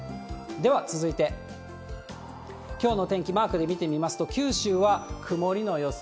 では、続いてきょうのお天気、マークで見てみますと、九州は曇りの予想。